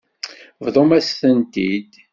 Bḍumt-as-tent-id.